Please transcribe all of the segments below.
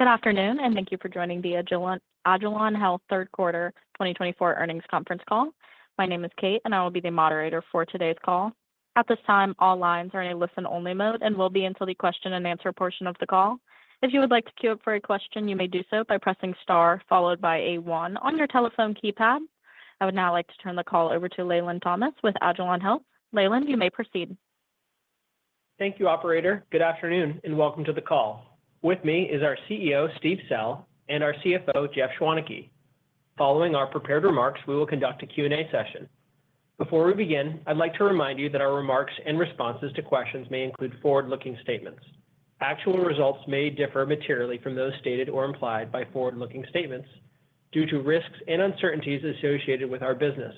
Good afternoon, and thank you for joining the Agilon Health Third Quarter 2024 earnings conference call. My name is Kate, and I will be the moderator for today's call. At this time, all lines are in a listen-only mode and will be until the question-and-answer portion of the call. If you would like to queue up for a question, you may do so by pressing star followed by a one on your telephone keypad. I would now like to turn the call over to Leland Thomas with Agilon Health. Leyland, you may proceed. Thank you, Operator. Good afternoon and welcome to the call. With me is our CEO, Steve Sell, and our CFO, Jeff Schwaneke. Following our prepared remarks, we will conduct a Q&A session. Before we begin, I'd like to remind you that our remarks and responses to questions may include forward-looking statements. Actual results may differ materially from those stated or implied by forward-looking statements due to risks and uncertainties associated with our business.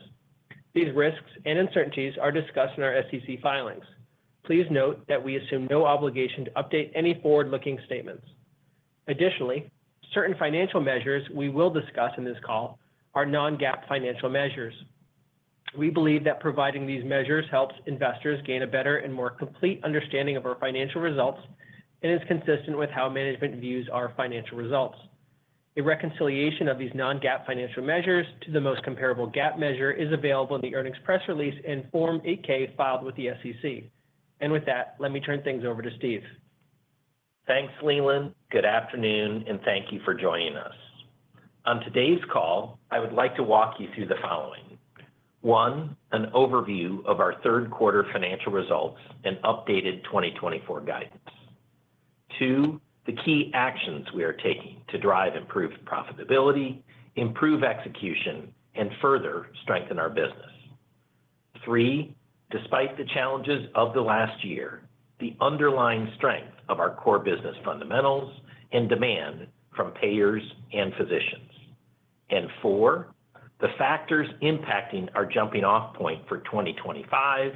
These risks and uncertainties are discussed in our SEC filings. Please note that we assume no obligation to update any forward-looking statements. Additionally, certain financial measures we will discuss in this call are non-GAAP financial measures. We believe that providing these measures helps investors gain a better and more complete understanding of our financial results and is consistent with how management views our financial results. A reconciliation of these non-GAAP financial measures to the most comparable GAAP measure is available in the earnings press release and Form 8-K filed with the SEC. With that, let me turn things over to Steve. Thanks, Leyland. Good afternoon, and thank you for joining us. On today's call, I would like to walk you through the following: one, an overview of our third quarter financial results and updated 2024 guidance. Two, the key actions we are taking to drive improved profitability, improve execution, and further strengthen our business. Three, despite the challenges of the last year, the underlying strength of our core business fundamentals and demand from payers and physicians. And four, the factors impacting our jumping-off point for 2025,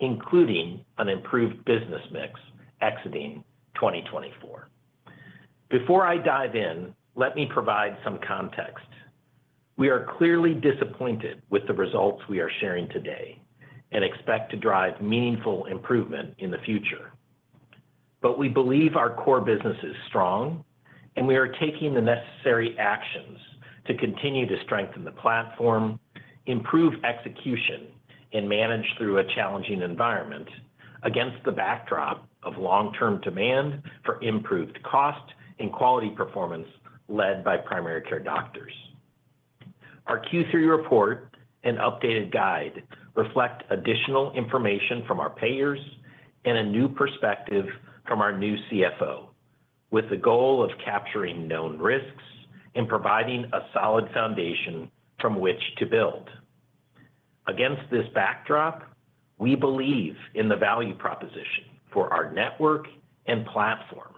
including an improved business mix exiting 2024. Before I dive in, let me provide some context. We are clearly disappointed with the results we are sharing today and expect to drive meaningful improvement in the future. We believe our core business is strong, and we are taking the necessary actions to continue to strengthen the platform, improve execution, and manage through a challenging environment against the backdrop of long-term demand for improved cost and quality performance led by primary care doctors. Our Q3 report and updated guide reflect additional information from our payers and a new perspective from our new CFO, with the goal of capturing known risks and providing a solid foundation from which to build. Against this backdrop, we believe in the value proposition for our network and platform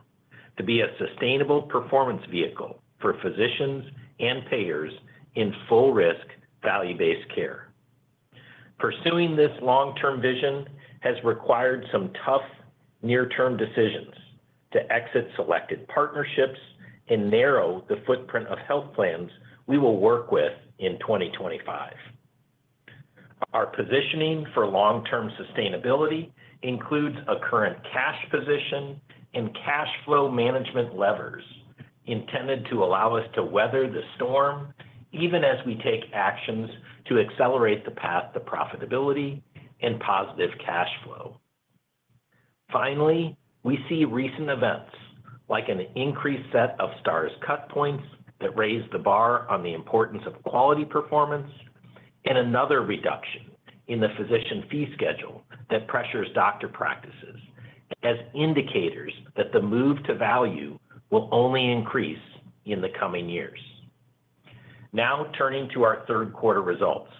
to be a sustainable performance vehicle for physicians and payers in full-risk value-based care. Pursuing this long-term vision has required some tough near-term decisions to exit selected partnerships and narrow the footprint of health plans we will work with in 2025. Our positioning for long-term sustainability includes a current cash position and cash flow management levers intended to allow us to weather the storm even as we take actions to accelerate the path to profitability and positive cash flow. Finally, we see recent events like an increased set of STARS cut points that raise the bar on the importance of quality performance and another reduction in the physician fee schedule that pressures doctor practices as indicators that the move to value will only increase in the coming years. Now turning to our third quarter results,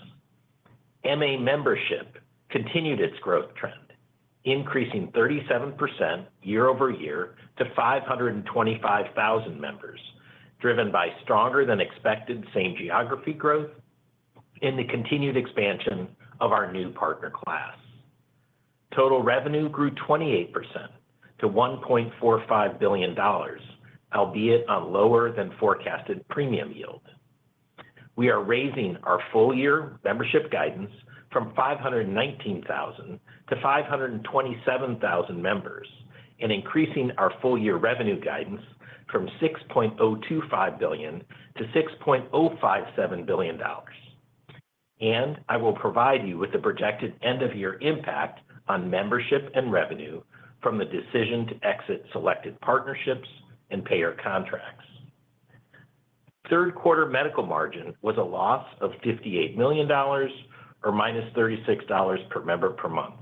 MA membership continued its growth trend, increasing 37% year over year to 525,000 members, driven by stronger-than-expected same geography growth and the continued expansion of our new partner class. Total revenue grew 28% to $1.45 billion, albeit on lower-than-forecasted premium yield. We are raising our full-year membership guidance from 519,000-527,000 members and increasing our full-year revenue guidance from $6.025 billion-$6.057 billion, and I will provide you with the projected end-of-year impact on membership and revenue from the decision to exit selected partnerships and payer contracts. Third quarter medical margin was a loss of $58 million, or minus $36 per member per month,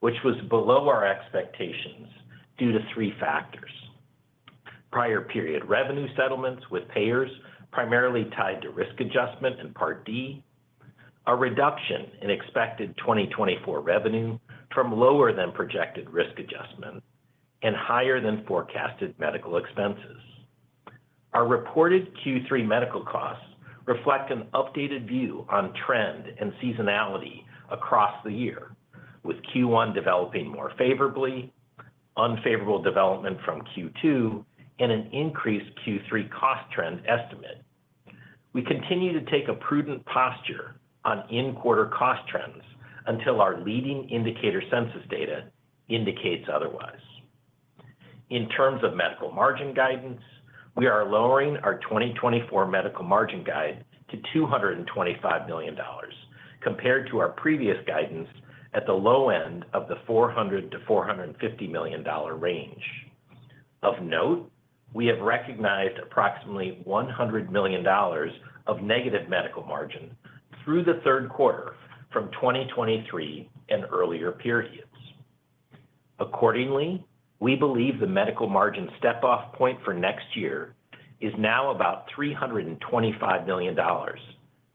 which was below our expectations due to three factors: prior period revenue settlements with payers primarily tied to risk adjustment and Part D, a reduction in expected 2024 revenue from lower-than-projected risk adjustment, and higher-than-forecasted medical expenses. Our reported Q3 medical costs reflect an updated view on trend and seasonality across the year, with Q1 developing more favorably, unfavorable development from Q2, and an increased Q3 cost trend estimate. We continue to take a prudent posture on in-quarter cost trends until our leading indicator census data indicates otherwise. In terms of medical margin guidance, we are lowering our 2024 medical margin guide to $225 million, compared to our previous guidance at the low end of the $400-$450 million range. Of note, we have recognized approximately $100 million of negative medical margin through the third quarter from 2023 and earlier periods. Accordingly, we believe the medical margin step-off point for next year is now about $325 million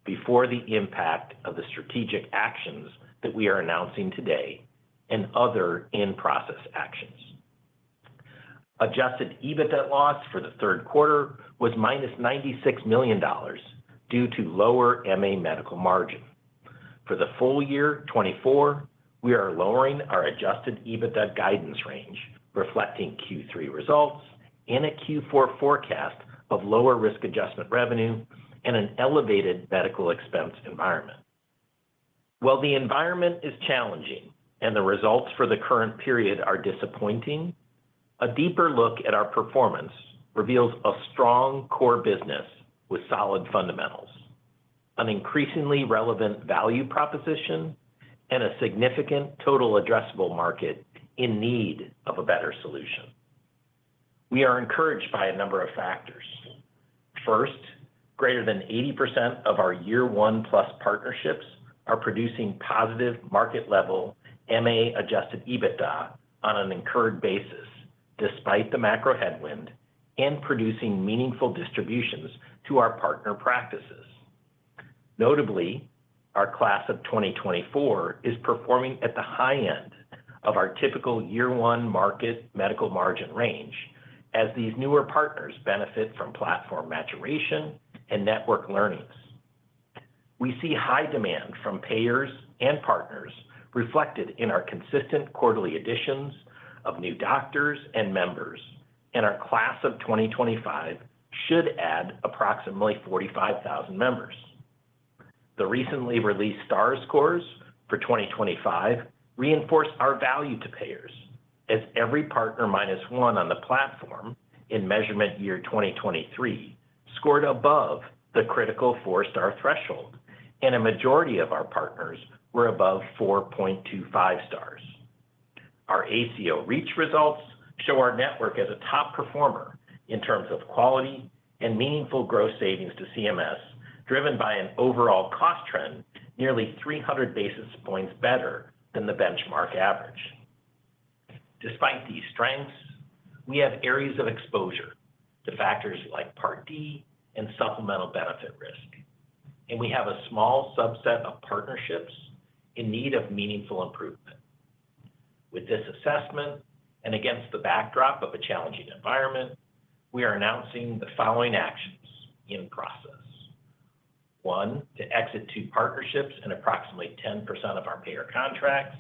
before the impact of the strategic actions that we are announcing today and other in-process actions. Adjusted EBITDA loss for the third quarter was minus $96 million due to lower MA medical margin. For the full year 2024, we are lowering our adjusted EBITDA guidance range, reflecting Q3 results and a Q4 forecast of lower risk adjustment revenue and an elevated medical expense environment. While the environment is challenging and the results for the current period are disappointing, a deeper look at our performance reveals a strong core business with solid fundamentals, an increasingly relevant value proposition, and a significant total addressable market in need of a better solution. We are encouraged by a number of factors. First, greater than 80% of our Year One Plus partnerships are producing positive market-level MA adjusted EBITDA on an incurred basis despite the macro headwind and producing meaningful distributions to our partner practices. Notably, our class of 2024 is performing at the high end of our typical Year One market medical margin range as these newer partners benefit from platform maturation and network learnings. We see high demand from payers and partners reflected in our consistent quarterly additions of new doctors and members, and our class of 2025 should add approximately 45,000 members. The recently released Star Ratings for 2025 reinforce our value to payers as every partner minus one on the platform in measurement year 2023 scored above the critical four-star threshold, and a majority of our partners were above 4.25 stars. Our ACO REACH results show our network as a top performer in terms of quality and meaningful gross savings to CMS, driven by an overall cost trend nearly 300 basis points better than the benchmark average. Despite these strengths, we have areas of exposure to factors like Part D and supplemental benefit risk, and we have a small subset of partnerships in need of meaningful improvement. With this assessment and against the backdrop of a challenging environment, we are announcing the following actions in process: one, to exit two partnerships and approximately 10% of our payer contracts;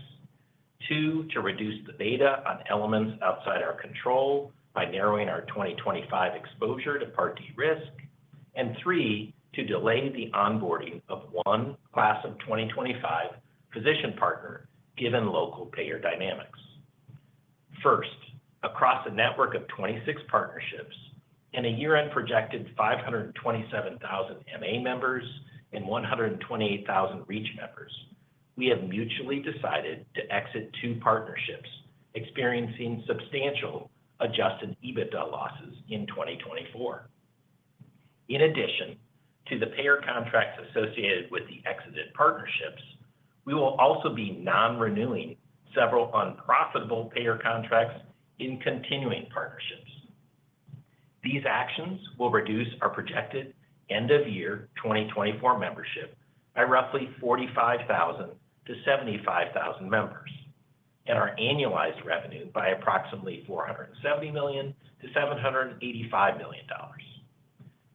two, to reduce the beta on elements outside our control by narrowing our 2025 exposure to Part D risk; and three, to delay the onboarding of one class of 2025 physician partner given local payer dynamics. First, across a network of 26 partnerships and a year-end projected 527,000 MA members and 128,000 REACH members, we have mutually decided to exit two partnerships experiencing substantial Adjusted EBITDA losses in 2024. In addition to the payer contracts associated with the exited partnerships, we will also be non-renewing several unprofitable payer contracts in continuing partnerships. These actions will reduce our projected end-of-year 2024 membership by roughly 45,000-75,000 members and our annualized revenue by approximately $470-$785 million.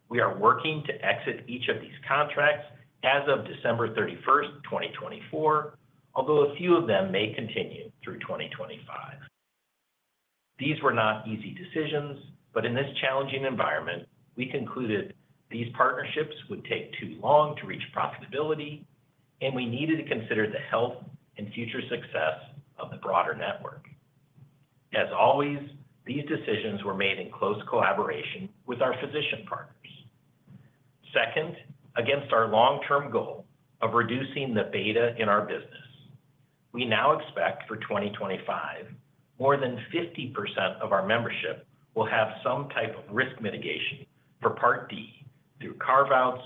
We are working to exit each of these contracts as of December 31st, 2024, although a few of them may continue through 2025. These were not easy decisions, but in this challenging environment, we concluded these partnerships would take too long to reach profitability, and we needed to consider the health and future success of the broader network. As always, these decisions were made in close collaboration with our physician partners. Second, against our long-term goal of reducing the beta in our business, we now expect for 2025 more than 50% of our membership will have some type of risk mitigation for Part D through carve-outs,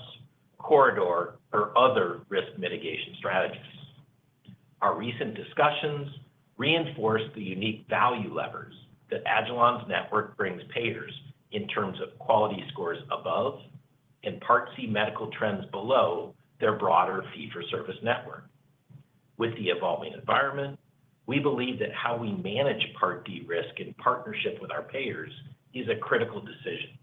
corridor, or other risk mitigation strategies. Our recent discussions reinforce the unique value levers that Agilon's network brings payers in terms of quality scores above and Part C medical trends below their broader fee-for-service network. With the evolving environment, we believe that how we manage Part D risk in partnership with our payers is a critical decision.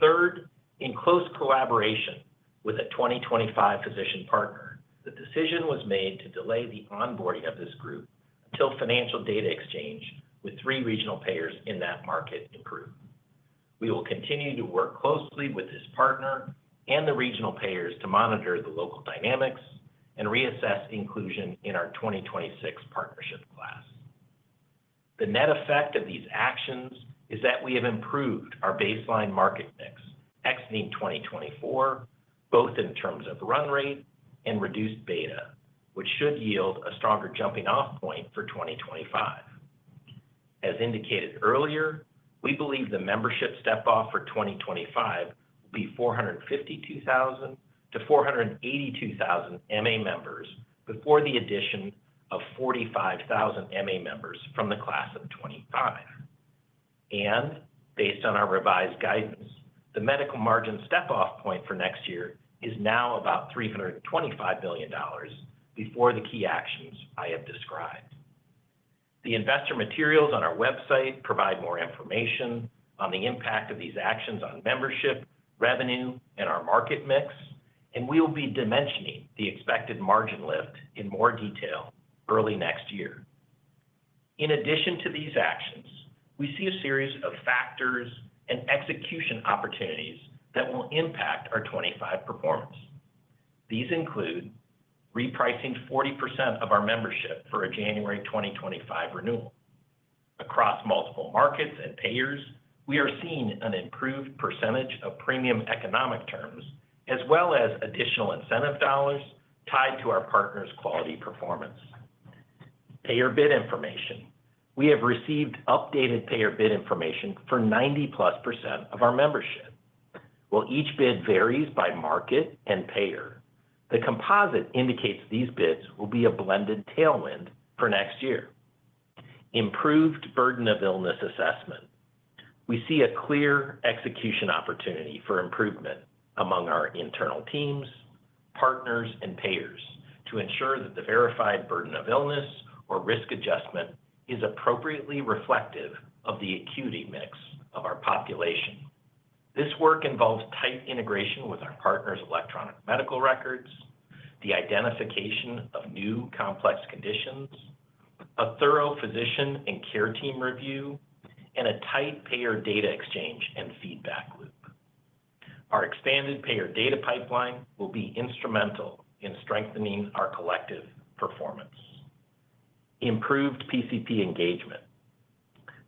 Third, in close collaboration with a 2025 physician partner, the decision was made to delay the onboarding of this group until financial data exchange with three regional payers in that market improved. We will continue to work closely with this partner and the regional payers to monitor the local dynamics and reassess inclusion in our 2026 partnership class. The net effect of these actions is that we have improved our baseline market mix exiting 2024, both in terms of run rate and reduced beta, which should yield a stronger jumping-off point for 2025. As indicated earlier, we believe the membership step-off for 2025 will be 452,000-482,000 MA members before the addition of 45,000 MA members from the class of 2025. And based on our revised guidance, the medical margin step-off point for next year is now about $325 million before the key actions I have described. The investor materials on our website provide more information on the impact of these actions on membership, revenue, and our market mix, and we will be dimensioning the expected margin lift in more detail early next year. In addition to these actions, we see a series of factors and execution opportunities that will impact our 2025 performance. These include repricing 40% of our membership for a January 2025 renewal. Across multiple markets and payers, we are seeing an improved percentage of premium economic terms as well as additional incentive dollars tied to our partner's quality performance. Payer bid information. We have received updated payer bid information for 90-plus% of our membership. While each bid varies by market and payer, the composite indicates these bids will be a blended tailwind for next year. Improved burden of illness assessment. We see a clear execution opportunity for improvement among our internal teams, partners, and payers to ensure that the verified burden of illness or risk adjustment is appropriately reflective of the acuity mix of our population. This work involves tight integration with our partner's electronic medical records, the identification of new complex conditions, a thorough physician and care team review, and a tight payer data exchange and feedback loop. Our expanded payer data pipeline will be instrumental in strengthening our collective performance. Improved PCP engagement.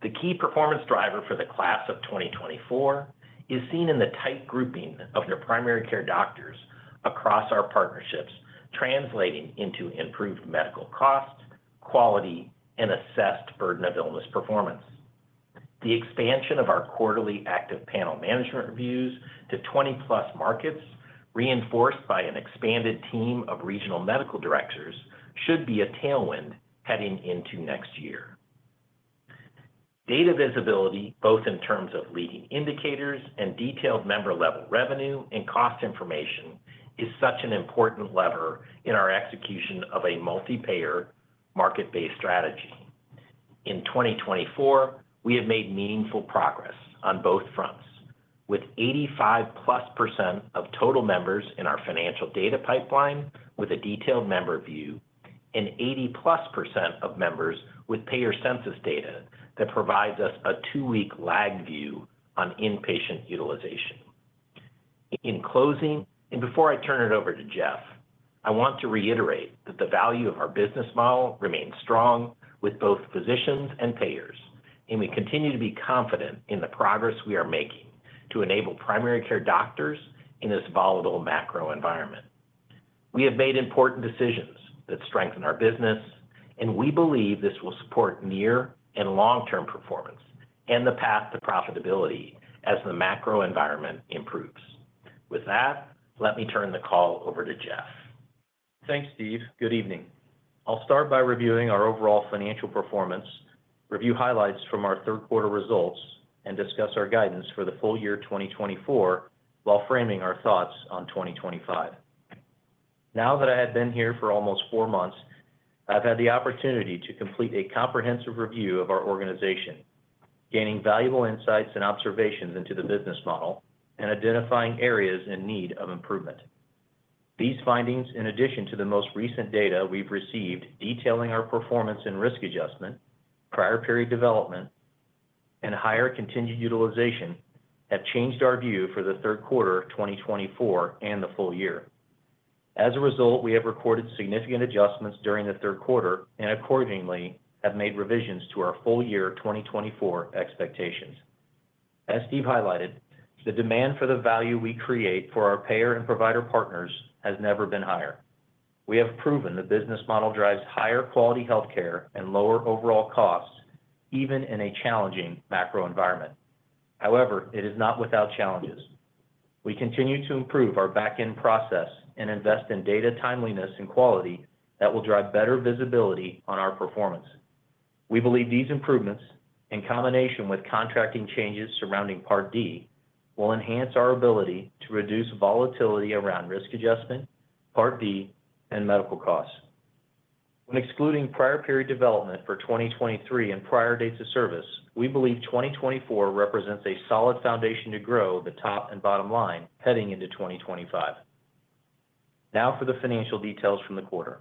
The key performance driver for the class of 2024 is seen in the tight grouping of your primary care doctors across our partnerships, translating into improved medical cost, quality, and assessed burden of illness performance. The expansion of our quarterly active panel management reviews to 20-plus markets, reinforced by an expanded team of regional medical directors, should be a tailwind heading into next year. Data visibility, both in terms of leading indicators and detailed member-level revenue and cost information, is such an important lever in our execution of a multi-payer market-based strategy. In 2024, we have made meaningful progress on both fronts, with 85-plus% of total members in our financial data pipeline with a detailed member view and 80-plus% of members with payer census data that provides us a two-week lag view on inpatient utilization. In closing, and before I turn it over to Jeff, I want to reiterate that the value of our business model remains strong with both physicians and payers, and we continue to be confident in the progress we are making to enable primary care doctors in this volatile macro environment. We have made important decisions that strengthen our business, and we believe this will support near and long-term performance and the path to profitability as the macro environment improves. With that, let me turn the call over to Jeff. Thanks, Steve. Good evening. I'll start by reviewing our overall financial performance, review highlights from our third-quarter results, and discuss our guidance for the full year 2024 while framing our thoughts on 2025. Now that I have been here for almost four months, I've had the opportunity to complete a comprehensive review of our organization, gaining valuable insights and observations into the business model and identifying areas in need of improvement. These findings, in addition to the most recent data we've received detailing our performance and risk adjustment, prior period development, and higher continued utilization, have changed our view for the third quarter 2024 and the full year. As a result, we have recorded significant adjustments during the third quarter and accordingly have made revisions to our full year 2024 expectations. As Steve highlighted, the demand for the value we create for our payer and provider partners has never been higher. We have proven the business model drives higher quality healthcare and lower overall costs, even in a challenging macro environment. However, it is not without challenges. We continue to improve our back-end process and invest in data timeliness and quality that will drive better visibility on our performance. We believe these improvements, in combination with contracting changes surrounding Part D, will enhance our ability to reduce volatility around risk adjustment, Part D, and medical costs. When excluding prior period development for 2023 and prior dates of service, we believe 2024 represents a solid foundation to grow the top and bottom line heading into 2025. Now for the financial details from the quarter.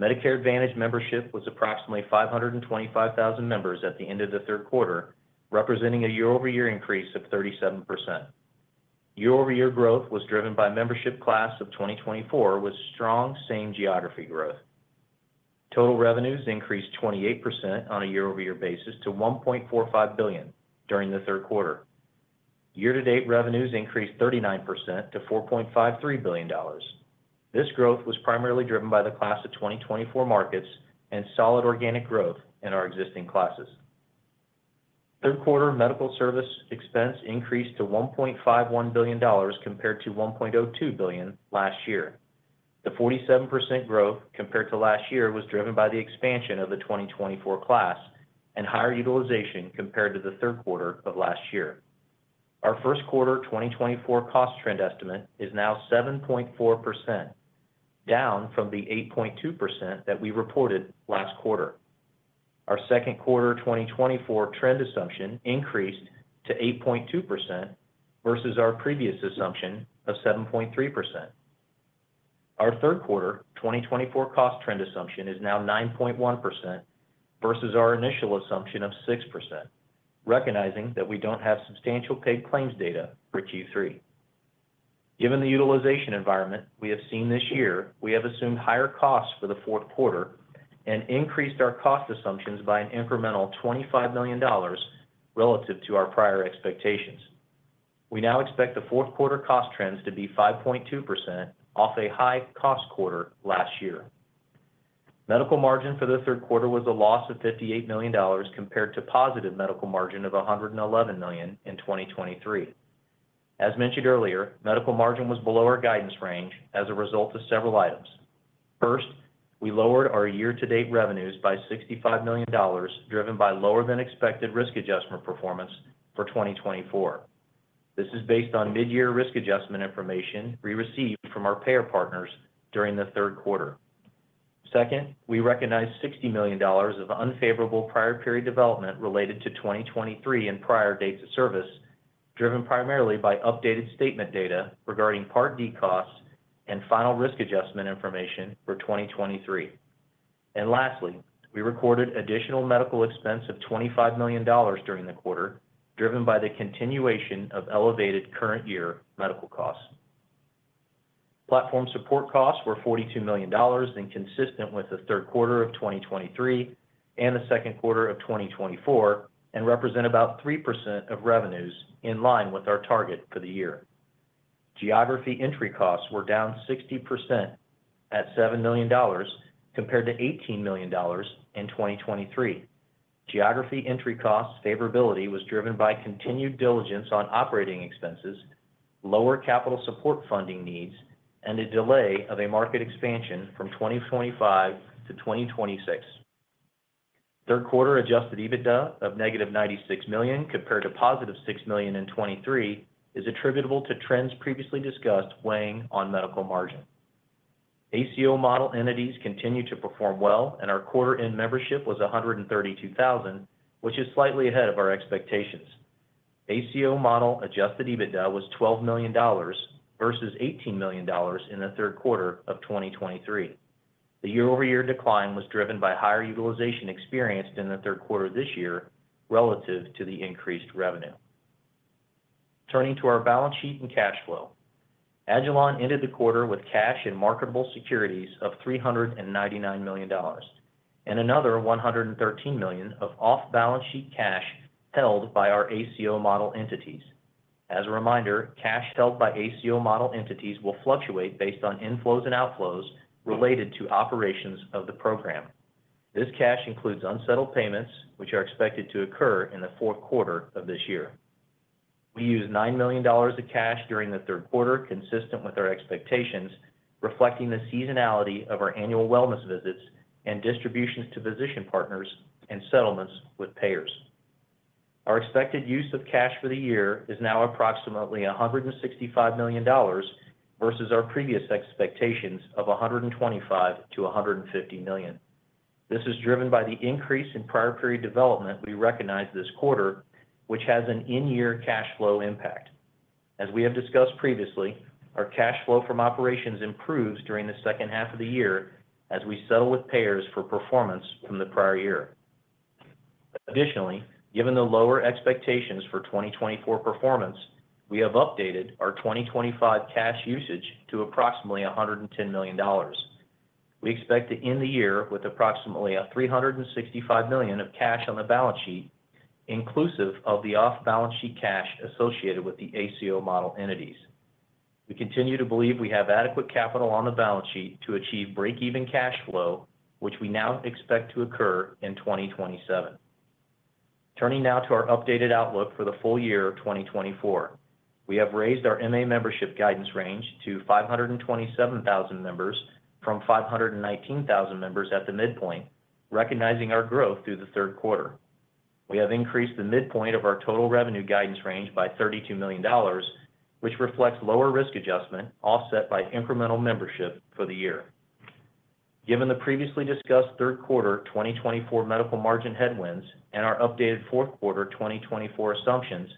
Medicare Advantage membership was approximately 525,000 members at the end of the third quarter, representing a year-over-year increase of 37%. Year-over-year growth was driven by membership class of 2024 with strong same geography growth. Total revenues increased 28% on a year-over-year basis to $1.45 billion during the third quarter. Year-to-date revenues increased 39% to $4.53 billion. This growth was primarily driven by the class of 2024 markets and solid organic growth in our existing classes. Third-quarter medical service expense increased to $1.51 billion compared to $1.02 billion last year. The 47% growth compared to last year was driven by the expansion of the 2024 class and higher utilization compared to the third quarter of last year. Our first quarter 2024 cost trend estimate is now 7.4%, down from the 8.2% that we reported last quarter. Our second quarter 2024 trend assumption increased to 8.2% versus our previous assumption of 7.3%. Our third quarter 2024 cost trend assumption is now 9.1% versus our initial assumption of 6%, recognizing that we don't have substantial paid claims data for Q3. Given the utilization environment we have seen this year, we have assumed higher costs for the fourth quarter and increased our cost assumptions by an incremental $25 million relative to our prior expectations. We now expect the fourth quarter cost trends to be 5.2% off a high cost quarter last year. Medical margin for the third quarter was a loss of $58 million compared to positive medical margin of $111 million in 2023. As mentioned earlier, medical margin was below our guidance range as a result of several items. First, we lowered our year-to-date revenues by $65 million, driven by lower-than-expected risk adjustment performance for 2024. This is based on mid-year risk adjustment information we received from our payer partners during the third quarter. Second, we recognize $60 million of unfavorable prior period development related to 2023 and prior dates of service, driven primarily by updated statement data regarding Part D costs and final risk adjustment information for 2023, and lastly, we recorded additional medical expense of $25 million during the quarter, driven by the continuation of elevated current-year medical costs. Platform support costs were $42 million, consistent with the third quarter of 2023 and the second quarter of 2024, and represent about 3% of revenues in line with our target for the year. Geography entry costs were down 60% at $7 million compared to $18 million in 2023. Geography entry costs favorability was driven by continued diligence on operating expenses, lower capital support funding needs, and a delay of a market expansion from 2025 to 2026. Third-quarter Adjusted EBITDA of negative $96 million compared to positive $6 million in 2023 is attributable to trends previously discussed weighing on Medical Margin. ACO model entities continue to perform well, and our quarter-end membership was 132,000, which is slightly ahead of our expectations. ACO model Adjusted EBITDA was $12 million versus $18 million in the third quarter of 2023. The year-over-year decline was driven by higher utilization experienced in the third quarter this year relative to the increased revenue. Turning to our balance sheet and cash flow, Agilon ended the quarter with cash and marketable securities of $399 million and another $113 million of off-balance sheet cash held by our ACO model entities. As a reminder, cash held by ACO model entities will fluctuate based on inflows and outflows related to operations of the program. This cash includes unsettled payments, which are expected to occur in the fourth quarter of this year. We used $9 million of cash during the third quarter, consistent with our expectations, reflecting the seasonality of our annual wellness visits and distributions to physician partners and settlements with payers. Our expected use of cash for the year is now approximately $165 million versus our previous expectations of $125-$150 million. This is driven by the increase in prior period development we recognize this quarter, which has an in-year cash flow impact. As we have discussed previously, our cash flow from operations improves during the second half of the year as we settle with payers for performance from the prior year. Additionally, given the lower expectations for 2024 performance, we have updated our 2025 cash usage to approximately $110 million. We expect to end the year with approximately $365 million of cash on the balance sheet, inclusive of the off-balance sheet cash associated with the ACO model entities. We continue to believe we have adequate capital on the balance sheet to achieve break-even cash flow, which we now expect to occur in 2027. Turning now to our updated outlook for the full year 2024, we have raised our MA membership guidance range to 527,000 members from 519,000 members at the midpoint, recognizing our growth through the third quarter. We have increased the midpoint of our total revenue guidance range by $32 million, which reflects lower risk adjustment offset by incremental membership for the year. Given the previously discussed third quarter 2024 medical margin headwinds and our updated fourth quarter 2024 assumptions,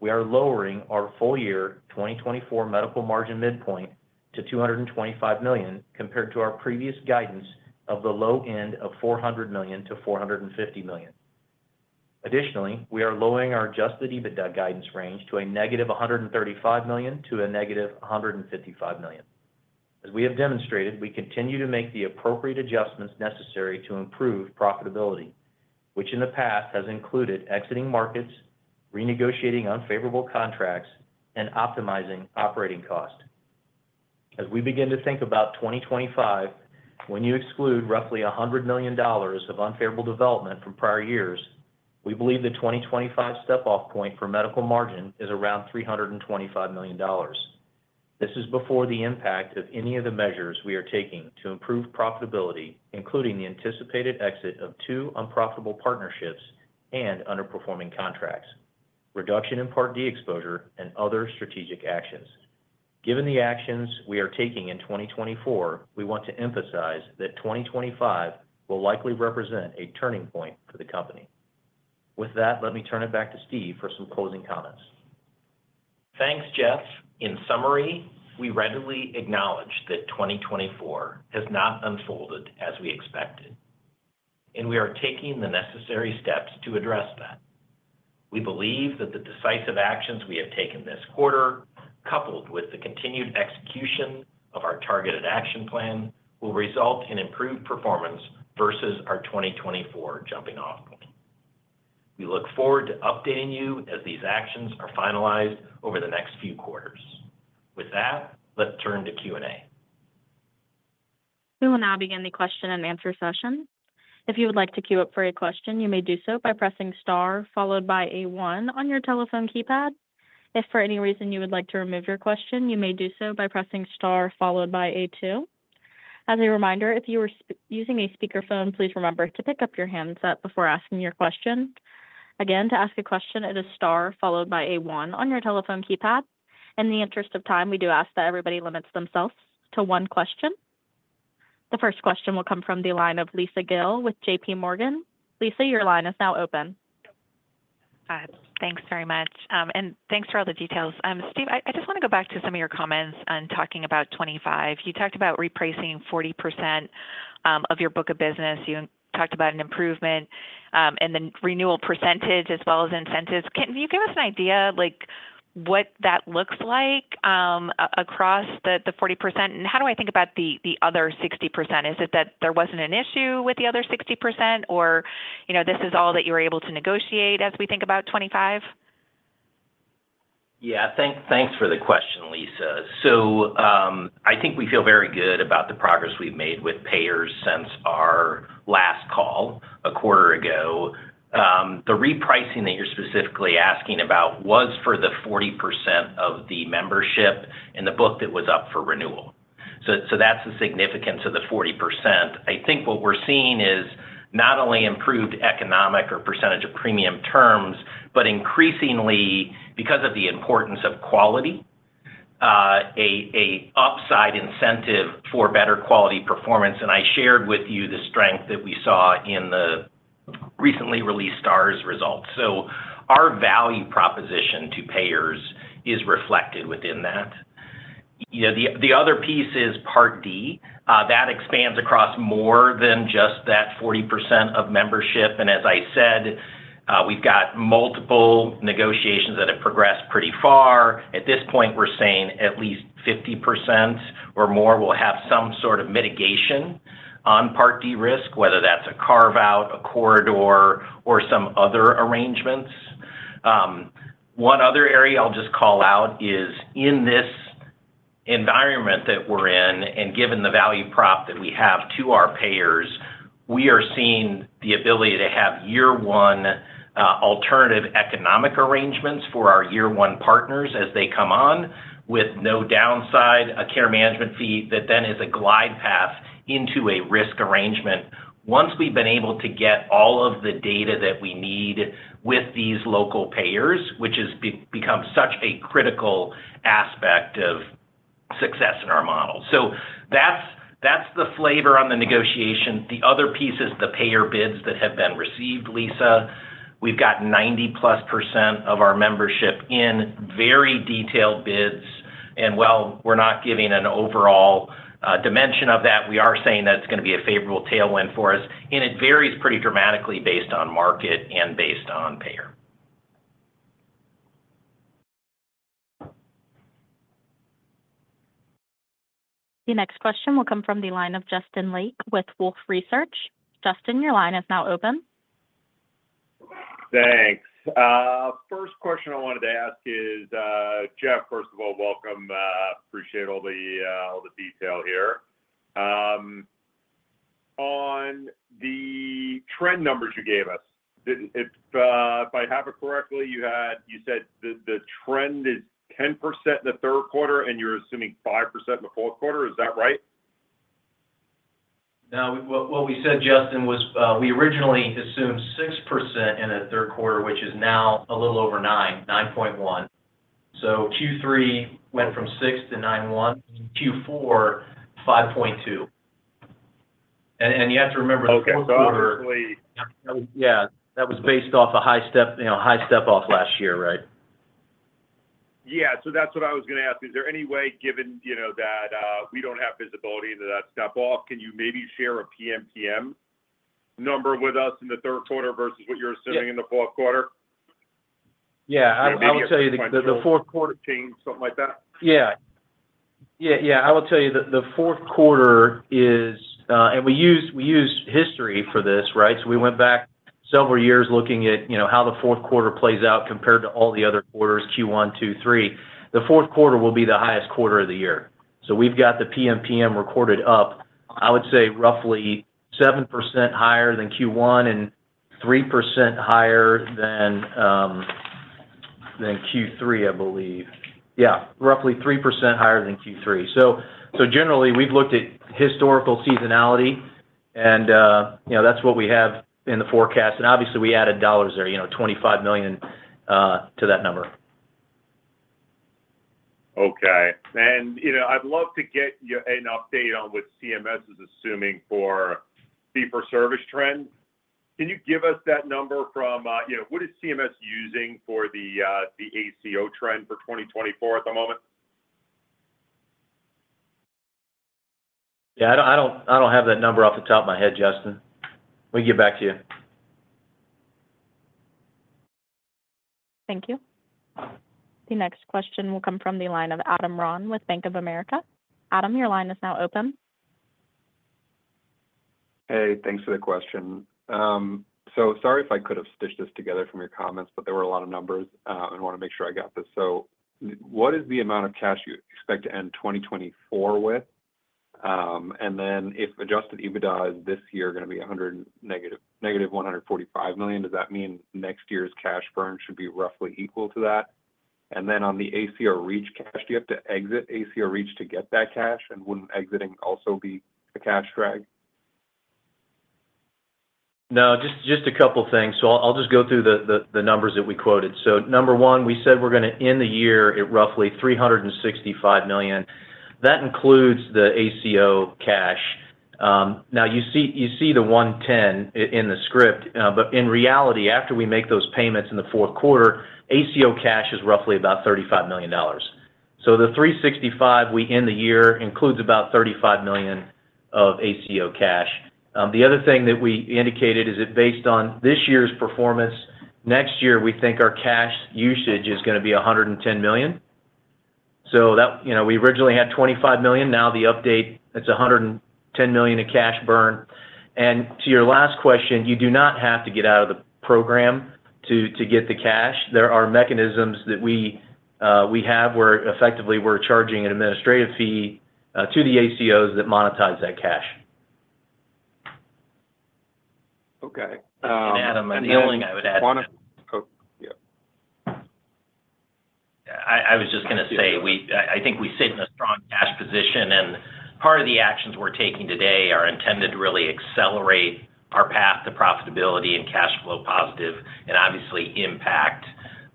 we are lowering our full year 2024 medical margin midpoint to $225 million compared to our previous guidance of the low end of $400 million-$450 million. Additionally, we are lowering our Adjusted EBITDA guidance range to negative $135 million-negative $155 million. As we have demonstrated, we continue to make the appropriate adjustments necessary to improve profitability, which in the past has included exiting markets, renegotiating unfavorable contracts, and optimizing operating cost. As we begin to think about 2025, when you exclude roughly $100 million of unfavorable development from prior years, we believe the 2025 step-off point for medical margin is around $325 million. This is before the impact of any of the measures we are taking to improve profitability, including the anticipated exit of two unprofitable partnerships and underperforming contracts, reduction in Part D exposure, and other strategic actions. Given the actions we are taking in 2024, we want to emphasize that 2025 will likely represent a turning point for the company. With that, let me turn it back to Steve for some closing comments. Thanks, Jeff. In summary, we readily acknowledge that 2024 has not unfolded as we expected, and we are taking the necessary steps to address that. We believe that the decisive actions we have taken this quarter, coupled with the continued execution of our targeted action plan, will result in improved performance versus our 2024 jumping-off point. We look forward to updating you as these actions are finalized over the next few quarters. With that, let's turn to Q&A. We will now begin the question and answer session. If you would like to queue up for a question, you may do so by pressing star followed by A1 on your telephone keypad. If for any reason you would like to remove your question, you may do so by pressing star followed by A2. As a reminder, if you are using a speakerphone, please remember to pick up your handset before asking your question. Again, to ask a question, it is star followed by A1 on your telephone keypad. In the interest of time, we do ask that everybody limits themselves to one question. The first question will come from the line of Lisa Gill with J.P. Morgan. Lisa, your line is now open. Thanks very much. And thanks for all the details. Steve, I just want to go back to some of your comments on talking about 2025. You talked about repricing 40% of your book of business. You talked about an improvement in the renewal percentage as well as incentives. Can you give us an idea what that looks like across the 40%? And how do I think about the other 60%? Is it that there wasn't an issue with the other 60%, or this is all that you were able to negotiate as we think about 2025? Yeah. Thanks for the question, Lisa. So I think we feel very good about the progress we've made with payers since our last call a quarter ago. The repricing that you're specifically asking about was for the 40% of the membership in the book that was up for renewal. So that's the significance of the 40%. I think what we're seeing is not only improved economic or percentage of premium terms, but increasingly, because of the importance of quality, an upside incentive for better quality performance. I shared with you the strength that we saw in the recently released Stars results. Our value proposition to payers is reflected within that. The other piece is Part D. That expands across more than just that 40% of membership. As I said, we've got multiple negotiations that have progressed pretty far. At this point, we're saying at least 50% or more will have some sort of mitigation on Part D risk, whether that's a carve-out, a corridor, or some other arrangements. One other area I'll just call out is in this environment that we're in, and given the value prop that we have to our payers, we are seeing the ability to have year-one alternative economic arrangements for our year-one partners as they come on with no downside, a care management fee that then is a glide path into a risk arrangement once we've been able to get all of the data that we need with these local payers, which has become such a critical aspect of success in our model. So that's the flavor on the negotiation. The other piece is the payer bids that have been received, Lisa. We've got 90+% of our membership in very detailed bids. And while we're not giving an overall dimension of that, we are saying that it's going to be a favorable tailwind for us. And it varies pretty dramatically based on market and based on payer. The next question will come from the line of Justin Lake with Wolfe Research. Justin, your line is now open. Thanks. First question I wanted to ask is, Jeff, first of all, welcome. Appreciate all the detail here. On the trend numbers you gave us, if I have it correctly, you said the trend is 10% in the third quarter, and you're assuming 5% in the fourth quarter. Is that right? No. What we said, Justin, was we originally assumed 6% in the third quarter, which is now a little over 9, 9.1%. So Q3 went from 6% to 9.1%. Q4, 5.2%. And you have to remember the fourth quarter. Yeah. That was based off a high step-off last year, right? Yeah. So that's what I was going to ask. Is there any way, given that we don't have visibility into that step-off, can you maybe share a PMPM number with us in the third quarter versus what you're assuming in the fourth quarter? Yeah. I will tell you the fourth quarter. Something like that? Yeah. Yeah. Yeah. I will tell you the fourth quarter is and we use history for this, right? So we went back several years looking at how the fourth quarter plays out compared to all the other quarters, Q1, Q2, Q3. The fourth quarter will be the highest quarter of the year. So we've got the PMPM recorded up, I would say, roughly 7% higher than Q1 and 3% higher than Q3, I believe. Yeah. Roughly 3% higher than Q3. So generally, we've looked at historical seasonality, and that's what we have in the forecast. And obviously, we added $25 million to that number. Okay. I'd love to get an update on what CMS is assuming for fee-for-service trend. Can you give us that number from what is CMS using for the ACO trend for 2024 at the moment? Yeah. I don't have that number off the top of my head, Justin. We can get back to you. Thank you. The next question will come from the line of Adam Ron with Bank of America. Adam, your line is now open. Hey. Thanks for the question. So sorry if I could have stitched this together from your comments, but there were a lot of numbers, and I want to make sure I got this. So what is the amount of cash you expect to end 2024 with? And then if Adjusted EBITDA is this year going to be -$145 million, does that mean next year's cash burn should be roughly equal to that? And then on the ACO REACH cash, do you have to exit ACO REACH to get that cash? And wouldn't exiting also be a cash drag? No. Just a couple of things. So I'll just go through the numbers that we quoted. So number one, we said we're going to end the year at roughly $365 million. That includes the ACO cash. Now, you see the $110 million in the script, but in reality, after we make those payments in the fourth quarter, ACO cash is roughly about $35 million. So the $365 million we end the year includes about $35 million of ACO cash. The other thing that we indicated is that based on this year's performance, next year, we think our cash usage is going to be $110 million. So we originally had $25 million. Now the update, it's $110 million in cash burn. And to your last question, you do not have to get out of the program to get the cash. There are mechanisms that we have where effectively we're charging an administrative fee to the ACOs that monetize that cash. Okay. And Adam, I think I would add that. Yeah. I was just going to say, I think we sit in a strong cash position, and part of the actions we're taking today are intended to really accelerate our path to profitability and cash flow positive and obviously impact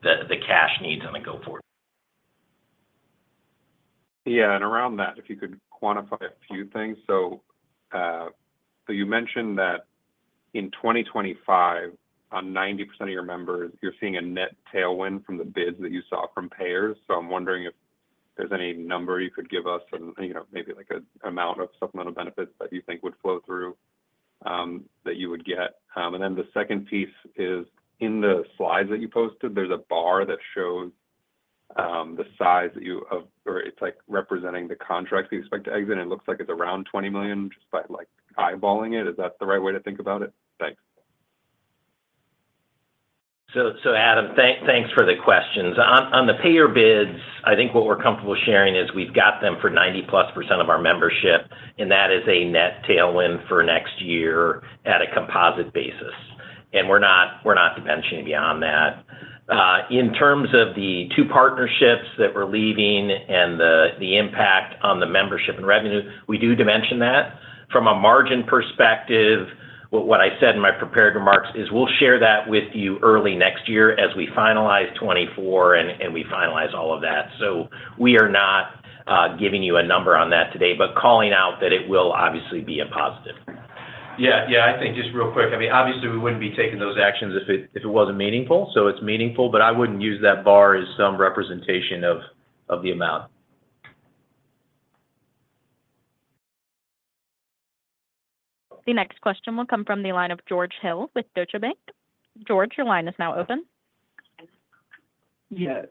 the cash needs on the go forward. Yeah. And around that, if you could quantify a few things. So you mentioned that in 2025, on 90% of your members, you're seeing a net tailwind from the bids that you saw from payers. So I'm wondering if there's any number you could give us and maybe an amount of supplemental benefits that you think would flow through that you would get. And then the second piece is in the slides that you posted, there's a bar that shows the size that you or it's representing the contracts you expect to exit. And it looks like it's around $20 million just by eyeballing it. Is that the right way to think about it? Thanks. So Adam, thanks for the questions. On the payer bids, I think what we're comfortable sharing is we've got them for 90+% of our membership, and that is a net tailwind for next year at a composite basis. And we're not dimensioning beyond that. In terms of the two partnerships that we're leaving and the impact on the membership and revenue, we do dimension that. From a margin perspective, what I said in my prepared remarks is we'll share that with you early next year as we finalize 2024 and we finalize all of that. So we are not giving you a number on that today, but calling out that it will obviously be a positive. Yeah. Yeah. I think just real quick, I mean, obviously, we wouldn't be taking those actions if it wasn't meaningful. So it's meaningful, but I wouldn't use that bar as some representation of the amount. The next question will come from the line of George Hill with Deutsche Bank. George, your line is now open. Yeah.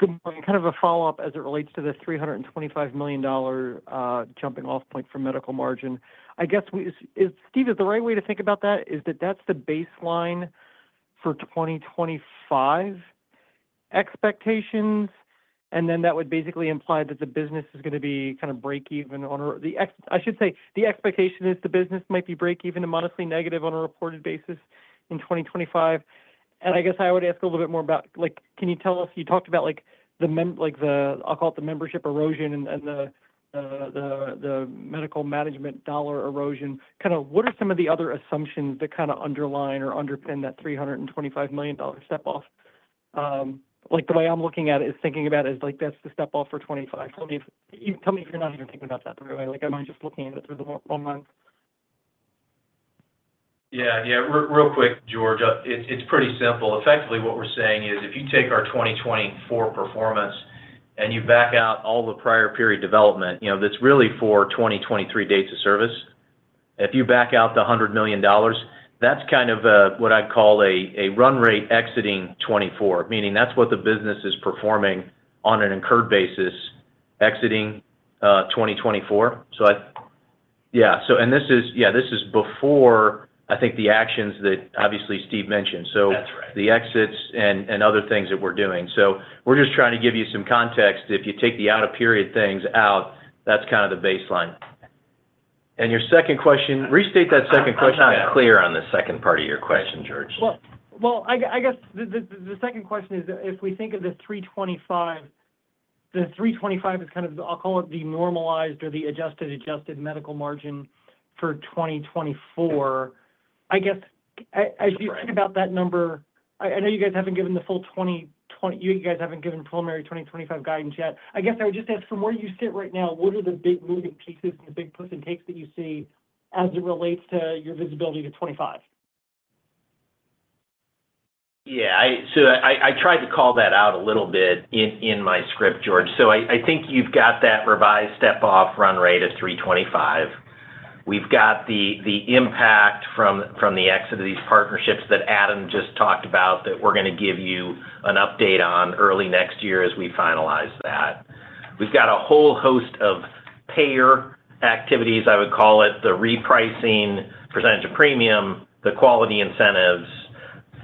Good morning. Kind of a follow-up as it relates to the $325 million jumping-off point for medical margin. I guess, Steve, is the right way to think about that is that that's the baseline for 2025 expectations, and then that would basically imply that the business is going to be kind of break-even on a. I should say the expectation is the business might be break-even and modestly negative on a reported basis in 2025. And I guess I would ask a little bit more about, can you tell us? You talked about the. I'll call it the membership erosion and the medical management dollar erosion. Kind of what are some of the other assumptions that kind of underline or underpin that $325 million step-off? The way I'm looking at it is thinking about it as that's the step-off for 2025. Tell me if you're not even thinking about that the right way. I'm just looking at it through the whole month. Yeah. Yeah. Real quick, George. It's pretty simple. Effectively, what we're saying is if you take our 2024 performance and you back out all the prior period development, that's really for 2023 dates of service. If you back out the $100 million, that's kind of what I'd call a run rate exiting 2024, meaning that's what the business is performing on an incurred basis exiting 2024. So yeah. And this is, yeah, this is before, I think, the actions that obviously Steve mentioned. So the exits and other things that we're doing. So we're just trying to give you some context. If you take the out-of-period things out, that's kind of the baseline. And your second question, restate that second question. I'm not clear on the second part of your question, George. I guess the second question is if we think of the 325, the 325 is kind of, I'll call it the normalized or the adjusted-adjusted medical margin for 2024. I guess as you think about that number, I know you guys haven't given the full 2024, you guys haven't given preliminary 2025 guidance yet. I guess I would just ask from where you sit right now, what are the big moving pieces and the big pushes and takes that you see as it relates to your visibility to 2025? Yeah. So I tried to call that out a little bit in my script, George. So I think you've got that revised step-off run rate of 325. We've got the impact from the exit of these partnerships that Adam just talked about that we're going to give you an update on early next year as we finalize that. We've got a whole host of payer activities, I would call it, the repricing, percentage of premium, the quality incentives,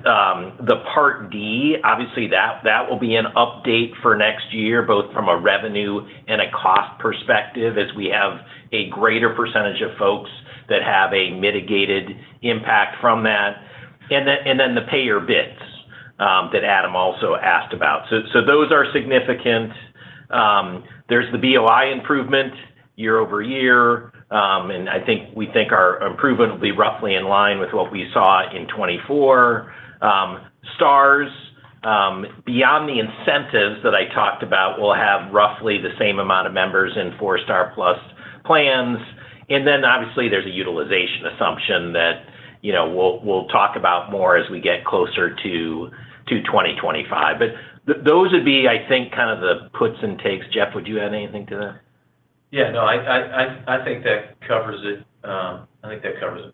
the Part D. Obviously, that will be an update for next year, both from a revenue and a cost perspective as we have a greater percentage of folks that have a mitigated impact from that, and then the payer bids that Adam also asked about, so those are significant. There's the BOI improvement year over year, and I think we think our improvement will be roughly in line with what we saw in 2024. Stars, beyond the incentives that I talked about, will have roughly the same amount of members in four-star plus plans, and then obviously, there's a utilization assumption that we'll talk about more as we get closer to 2025, but those would be, I think, kind of the push and takes. Jeff, would you add anything to that? Yeah. No. I think that covers it. Okay.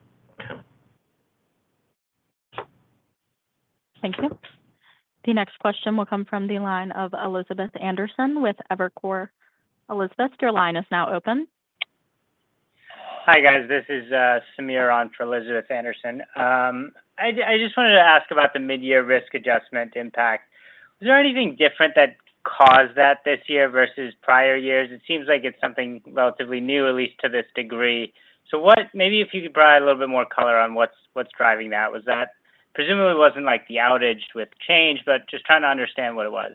Thank you. The next question will come from the line of Elizabeth Anderson with Evercore ISI, Elizabeth. Your line is now open. Hi, guys. This is Samir on for Elizabeth Anderson. I just wanted to ask about the mid-year risk adjustment impact. Is there anything different that caused that this year versus prior years? It seems like it's something relatively new, at least to this degree. So maybe if you could provide a little bit more color on what's driving that. Presumably, it wasn't the outage with Change Healthcare, but just trying to understand what it was.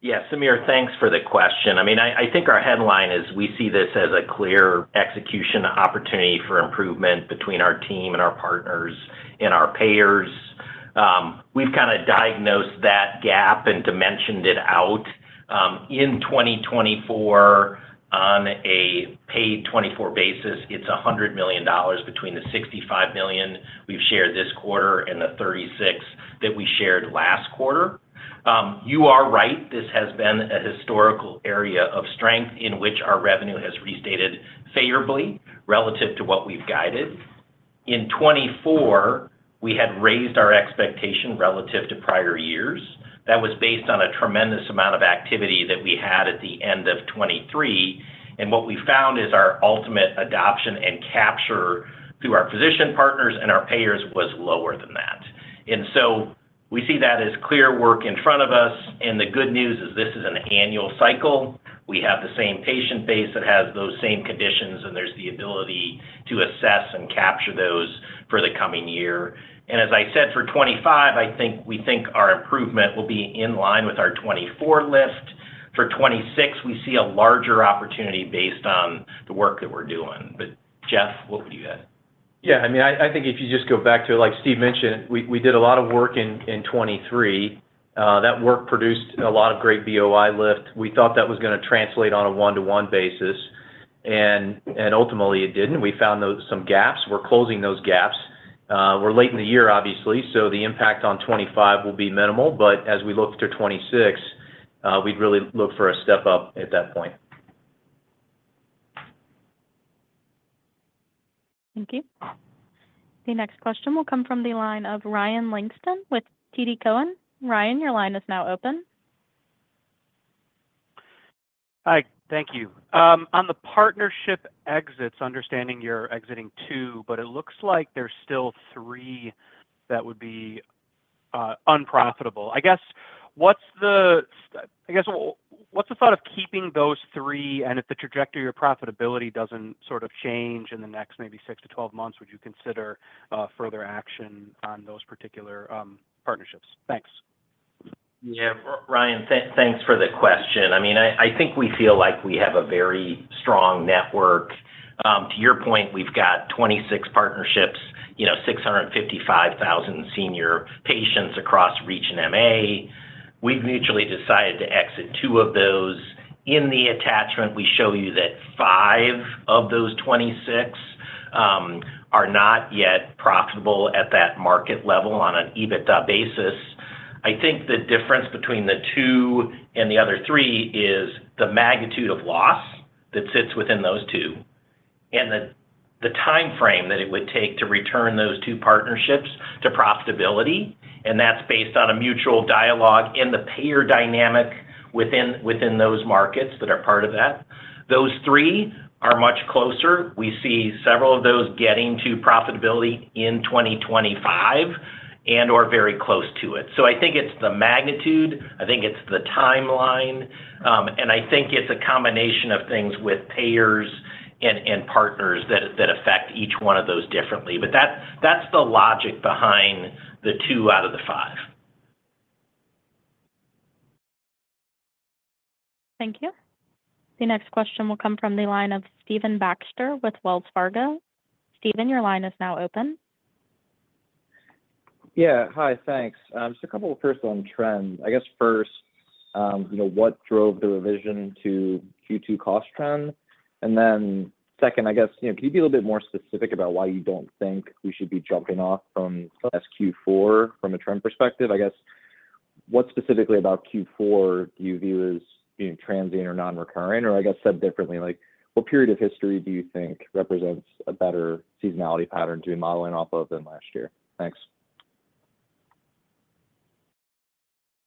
Yeah. Samir, thanks for the question. I mean, I think our headline is we see this as a clear execution opportunity for improvement between our team and our partners and our payers. We've kind of diagnosed that gap and dimensioned it out. In 2024, on a paid 2024 basis, it's $100 million between the $65 million we've shared this quarter and the $36 million that we shared last quarter. You are right. This has been a historical area of strength in which our revenue has restated favorably relative to what we've guided. In 2024, we had raised our expectation relative to prior years. That was based on a tremendous amount of activity that we had at the end of 2023. And what we found is our ultimate adoption and capture through our physician partners and our payers was lower than that. And so we see that as clear work in front of us. And the good news is this is an annual cycle. We have the same patient base that has those same conditions, and there's the ability to assess and capture those for the coming year, and as I said, for 2025, I think we think our improvement will be in line with our 2024 lift. For 2026, we see a larger opportunity based on the work that we're doing. But Jeff, what would you add? Yeah. I mean, I think if you just go back to, like Steve mentioned, we did a lot of work in 2023. That work produced a lot of great BOI lift. We thought that was going to translate on a one-to-one basis, and ultimately, it didn't. We found some gaps. We're closing those gaps. We're late in the year, obviously, so the impact on 2025 will be minimal, but as we look to 2026, we'd really look for a step-up at that point. Thank you. The next question will come from the line of Ryan Langston with TD Cowen. Ryan, your line is now open. Hi. Thank you. On the partnership exits, understanding you're exiting two, but it looks like there's still three that would be unprofitable. I guess what's the thought of keeping those three and if the trajectory or profitability doesn't sort of change in the next maybe 6 to 12 months, would you consider further action on those particular partnerships? Thanks. Yeah. Ryan, thanks for the question. I mean, I think we feel like we have a very strong network. To your point, we've got 26 partnerships, 655,000 senior patients across REACH and MA. We've mutually decided to exit two of those. In the attachment, we show you that five of those 26 are not yet profitable at that market level on an EBITDA basis. I think the difference between the two and the other three is the magnitude of loss that sits within those two and the timeframe that it would take to return those two partnerships to profitability. And that's based on a mutual dialogue in the payer dynamic within those markets that are part of that. Those three are much closer. We see several of those getting to profitability in 2025 and/or very close to it. So I think it's the magnitude. I think it's the timeline. And I think it's a combination of things with payers and partners that affect each one of those differently. But that's the logic behind the two out of the five. Thank you. The next question will come from the line of Stephen Baxter with Wells Fargo. Steven, your line is now open. Yeah. Hi. Thanks. Just a couple of first-on-trend. I guess first, what drove the revision to Q2 cost trend? And then second, I guess, can you be a little bit more specific about why you don't think we should be jumping off from Q4 from a trend perspective? I guess what specifically about Q4 do you view as transient or non-recurrent? Or I guess said differently, what period of history do you think represents a better seasonality pattern to be modeling off of than last year? Thanks.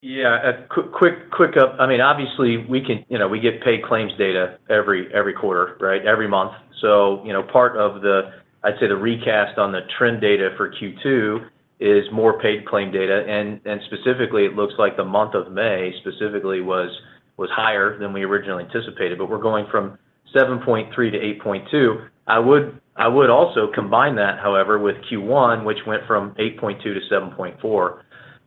Yeah. Quick update. I mean, obviously, we get paid claims data every quarter, right? Every month. So part of the, I'd say, the recast on the trend data for Q2 is more paid claims data. And specifically, it looks like the month of May specifically was higher than we originally anticipated, but we're going from 7.3 to 8.2. I would also combine that, however, with Q1, which went from 8.2 to 7.4.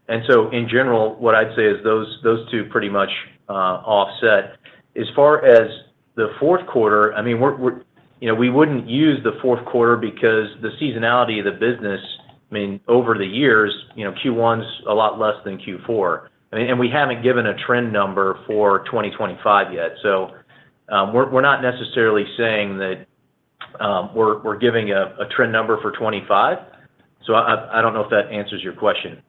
And so in general, what I'd say is those two pretty much offset. As far as the fourth quarter, I mean, we wouldn't use the fourth quarter because the seasonality of the business, I mean, over the years, Q1's a lot less than Q4. And we haven't given a trend number for 2025 yet. So we're not necessarily saying that we're giving a trend number for 2025. So I don't know if that answers your question.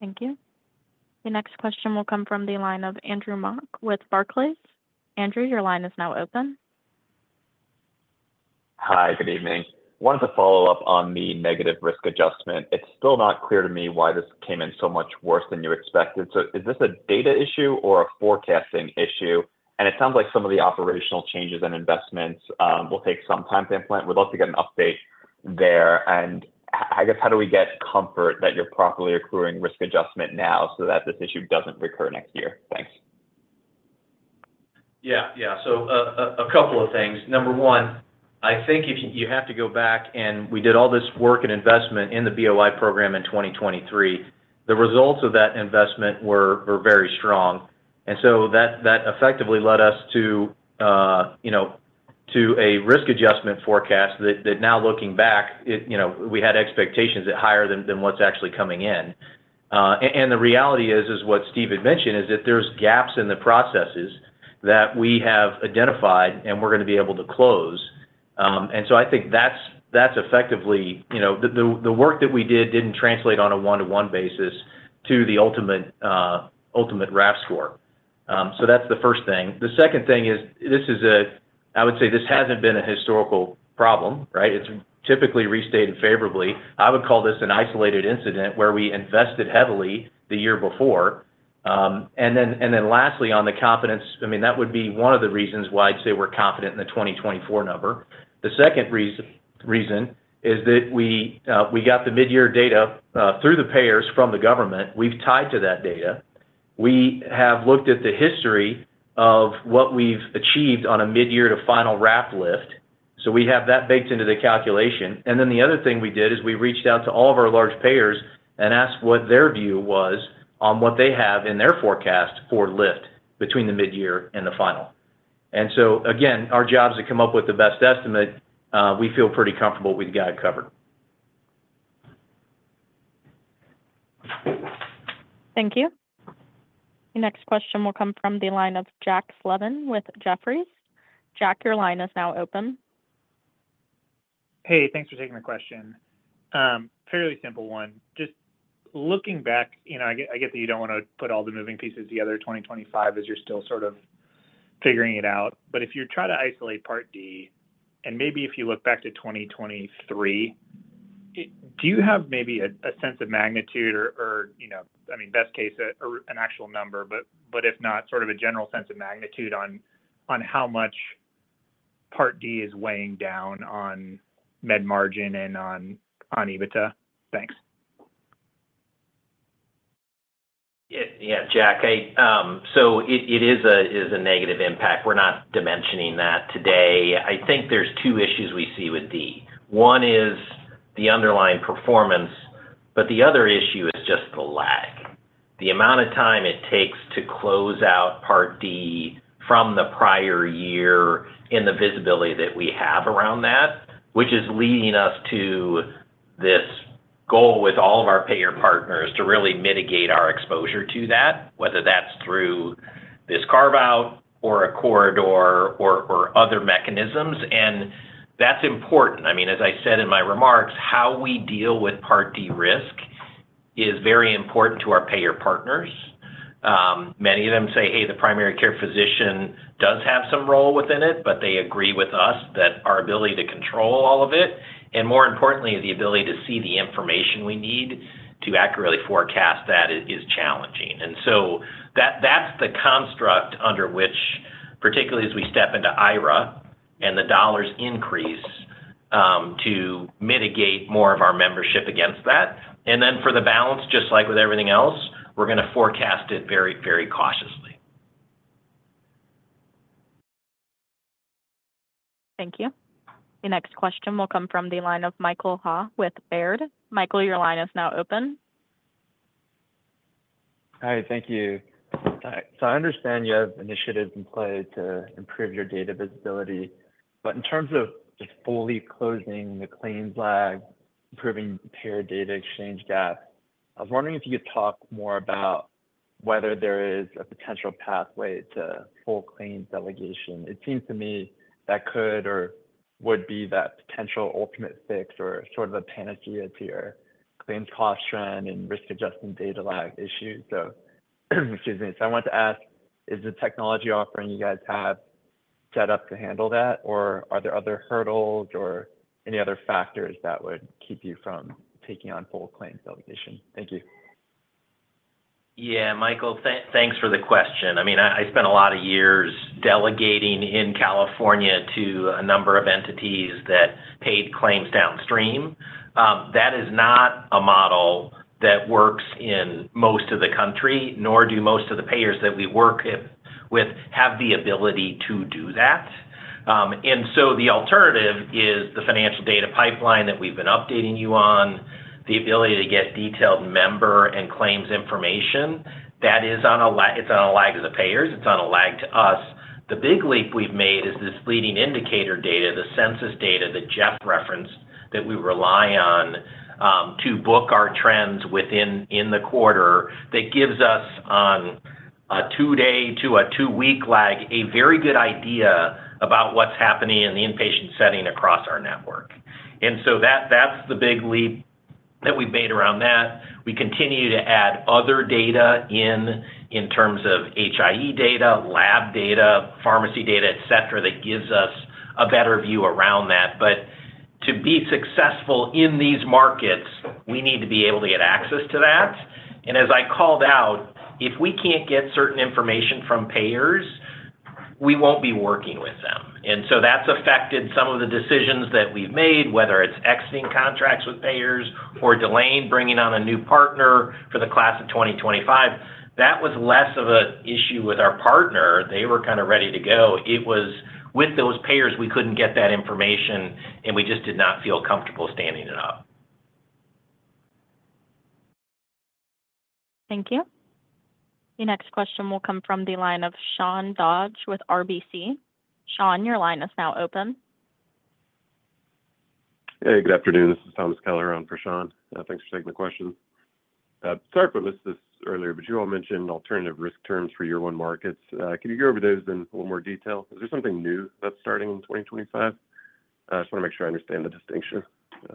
Thank you. The next question will come fromthe line of. Andrew Mok, your line is now open. Hi. Good evening. I wanted to follow up on the negative risk adjustment. It's still not clear to me why this came in so much worse than you expected. So is this a data issue or a forecasting issue? It sounds like some of the operational changes and investments will take some time to implement. We'd love to get an update there. I guess how do we get comfort that you're properly accruing risk adjustment now so that this issue doesn't recur next year? Thanks. Yeah. Yeah. A couple of things. Number one, I think you have to go back, and we did all this work and investment in the BOI program in 2023. The results of that investment were very strong. That effectively led us to a risk adjustment forecast that now looking back, we had expectations that higher than what's actually coming in. The reality is, is what Steve had mentioned, is that there's gaps in the processes that we have identified, and we're going to be able to close. And so I think that's effectively the work that we did didn't translate on a one-to-one basis to the ultimate RAF score. So that's the first thing. The second thing is, this is a, I would say this hasn't been a historical problem, right? It's typically restated favorably. I would call this an isolated incident where we invested heavily the year before. And then lastly, on the confidence, I mean, that would be one of the reasons why I'd say we're confident in the 2024 number. The second reason is that we got the mid-year data through the payers from the government. We've tied to that data. We have looked at the history of what we've achieved on a mid-year to final RAF lift. So we have that baked into the calculation. And then the other thing we did is we reached out to all of our large payers and asked what their view was on what they have in their forecast for lift between the mid-year and the final. And so again, our job is to come up with the best estimate. We feel pretty comfortable with the guidance covered. Thank you. The next question will come from the line of Jack Slevin with Jefferies. Jack, your line is now open. Hey, thanks for taking the question. Fairly simple one. Just looking back, I get that you don't want to put all the moving pieces together 2025 as you're still sort of figuring it out. But if you try to isolate Part D, and maybe if you look back to 2023, do you have maybe a sense of magnitude or, I mean, best case, an actual number, but if not, sort of a general sense of magnitude on how much Part D is weighing down on med margin and on EBITDA? Thanks. Yeah. Jack, hey. So it is a negative impact. We're not dimensioning that today. I think there's two issues we see with D. One is the underlying performance, but the other issue is just the lag. The amount of time it takes to close out Part D from the prior year in the visibility that we have around that, which is leading us to this goal with all of our payer partners to really mitigate our exposure to that, whether that's through this carve-out or a corridor or other mechanisms. And that's important. I mean, as I said in my remarks, how we deal with Part D risk is very important to our payer partners. Many of them say, "Hey, the primary care physician does have some role within it," but they agree with us that our ability to control all of it, and more importantly, the ability to see the information we need to accurately forecast that is challenging. And so that's the construct under which, particularly as we step into IRA and the dollars increase to mitigate more of our membership against that. And then for the balance, just like with everything else, we're going to forecast it very, very cautiously. Thank you. The next question will come from the line of Michael Ha with Baird. Michael, your line is now open. Hi. Thank you. So I understand you have initiatives in play to improve your data visibility. But in terms of just fully closing the claims lag, improving payer data exchange gap, I was wondering if you could talk more about whether there is a potential pathway to full claims delegation. It seems to me that could or would be that potential ultimate fix or sort of a panacea to your claims cost trend and risk-adjusting data lag issues. So excuse me. So I wanted to ask, is the technology offering you guys have set up to handle that, or are there other hurdles or any other factors that would keep you from taking on full claims delegation? Thank you. Yeah. Michael, thanks for the question. I mean, I spent a lot of years delegating in California to a number of entities that paid claims downstream. That is not a model that works in most of the country, nor do most of the payers that we work with have the ability to do that. And so the alternative is the financial data pipeline that we've been updating you on, the ability to get detailed member and claims information. That is on a lag. It's on a lag to the payers. It's on a lag to us. The big leap we've made is this leading indicator data, the census data that Jeff referenced that we rely on to book our trends within the quarter that gives us, on a two-day to a two-week lag, a very good idea about what's happening in the inpatient setting across our network. And so that's the big leap that we've made around that. We continue to add other data in terms of HIE data, lab data, pharmacy data, etc., that gives us a better view around that. But to be successful in these markets, we need to be able to get access to that. And as I called out, if we can't get certain information from payers, we won't be working with them. And so that's affected some of the decisions that we've made, whether it's exiting contracts with payers or delaying bringing on a new partner for the class of 2025. That was less of an issue with our partner. They were kind of ready to go. It was with those payers we couldn't get that information, and we just did not feel comfortable standing it up. Thank you. The next question will come from the line of Sean Dodge with RBC. Sean, your line is now open. Hey, good afternoon. This is Thomas Keller on for Sean. Thanks for taking the question. Sorry if I missed this earlier, but you all mentioned alternative risk terms for year-one markets. Can you go over those in a little more detail? Is there something new that's starting in 2025? I just want to make sure I understand the distinction.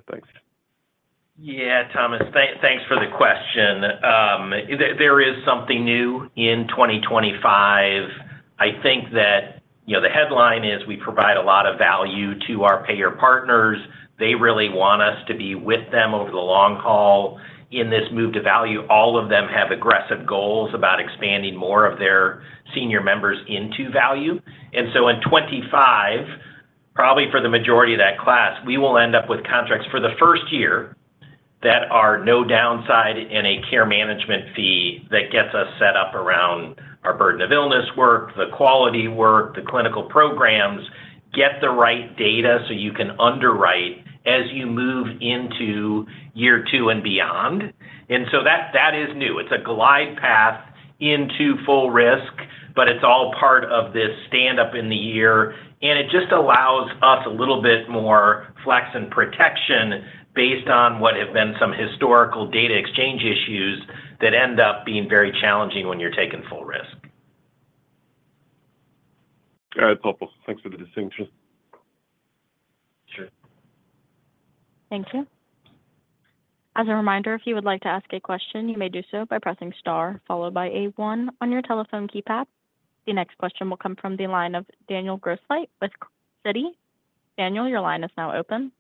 Thanks. Yeah, Thomas. Thanks for the question. There is something new in 2025. I think that the headline is we provide a lot of value to our payer partners. They really want us to be with them over the long haul. In this move to value, all of them have aggressive goals about expanding more of their senior members into value. And so in 2025, probably for the majority of that class, we will end up with contracts for the first year that are no downside in a care management fee that gets us set up around our burden of illness work, the quality work, the clinical programs, get the right data so you can underwrite as you move into year two and beyond. And so that is new. It's a glide path into full risk, but it's all part of this stand-up in the year. And it just allows us a little bit more flex and protection based on what have been some historical data exchange issues that end up being very challenging when you're taking full risk. All right. Helpful. Thanks for the distinction. Sure. Thank you. As a reminder, if you would like to ask a question, you may do so by pressing star followed by A1 on your telephone keypad. The next question will come from the line of Daniel Grosslight with Citi. Daniel, your line is now open.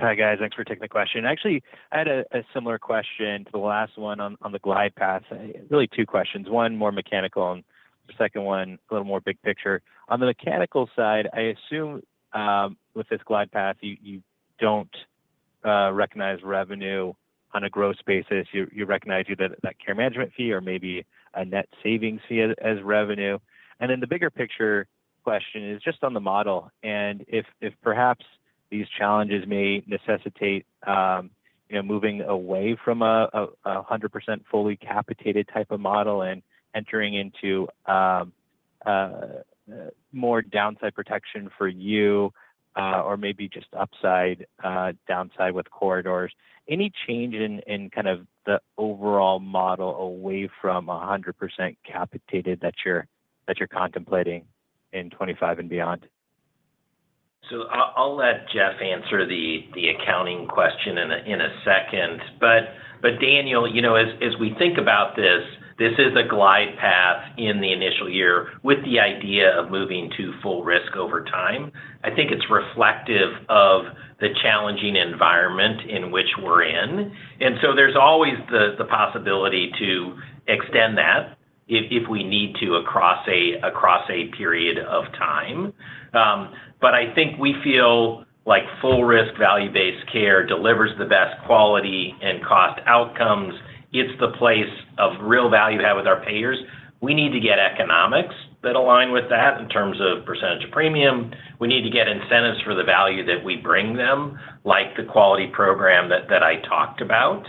Hi, guys. Thanks for taking the question. Actually, I had a similar question to the last one on the glide path. Really two questions. One more mechanical and the second one a little more big picture. On the mechanical side, I assume with this glide path, you don't recognize revenue on a gross basis. You recognize either that care management fee or maybe a net savings fee as revenue, and then the bigger picture question is just on the model. And if perhaps these challenges may necessitate moving away from a 100% fully capitated type of model and entering into more downside protection for you or maybe just upside downside with corridors, any change in kind of the overall model away from 100% capitated that you're contemplating in 2025 and beyond? So I'll let Jeff answer the accounting question in a second. But Daniel, as we think about this, this is a glide path in the initial year with the idea of moving to full risk over time. I think it's reflective of the challenging environment in which we're in. And so there's always the possibility to extend that if we need to across a period of time. But I think we feel like full risk value-based care delivers the best quality and cost outcomes. It's the place of real value to have with our payers. We need to get economics that align with that in terms of percentage of premium. We need to get incentives for the value that we bring them, like the quality program that I talked about.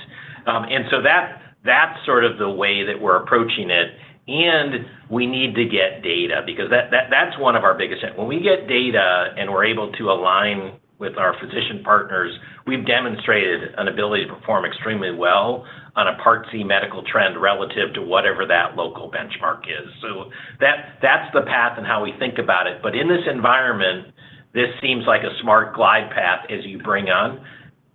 And so that's sort of the way that we're approaching it and we need to get data because that's one of our biggest things. When we get data and we're able to align with our physician partners, we've demonstrated an ability to perform extremely well on a Part C medical trend relative to whatever that local benchmark is. So that's the path and how we think about it but in this environment, this seems like a smart glide path as you bring on.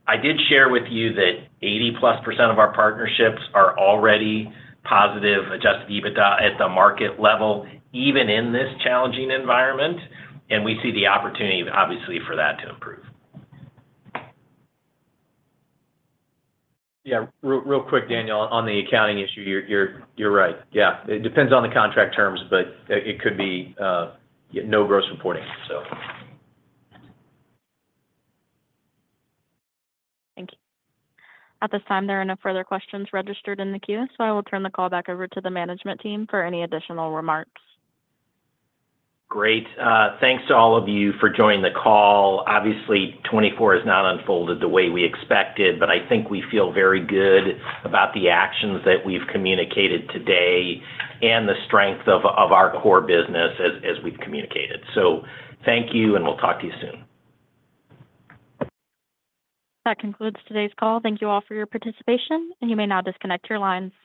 I did share with you that 80+% of our partnerships are already positive Adjusted EBITDA at the market level, even in this challenging environment. And we see the opportunity, obviously, for that to improve. Yeah. Real quick, Daniel, on the accounting issue, you're right. Yeah. It depends on the contract terms, but it could be no gross reporting, so. Thank you. At this time, there are no further questions registered in the queue, so I will turn the call back over to the management team for any additional remarks. Great. Thanks to all of you for joining the call. Obviously, 2024 has not unfolded the way we expected, but I think we feel very good about the actions that we've communicated today and the strength of our core business as we've communicated. So thank you, and we'll talk to you soon. That concludes today's call. Thank you all for your participation, and you may now disconnect your lines.